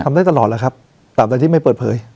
ทำได้ตลอดหรอครับตามตอนที่ไม่เปิดเผย